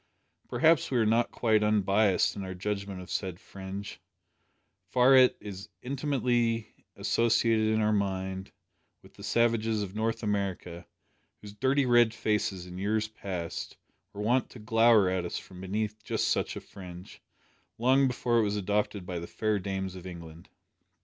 Perhaps we are not quite un biassed in our judgment of the said fringe, far it is intimately associated in our mind with the savages of North America, whose dirty red faces, in years past, were wont to glower at us from beneath just such a fringe, long before it was adopted by the fair dames of England!